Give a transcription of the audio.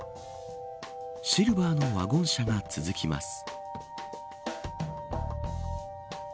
シルバーのワゴン車が続きます。